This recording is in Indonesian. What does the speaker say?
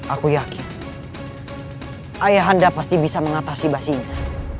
aku yakin ayahanda pasti bisa mengatasi basinya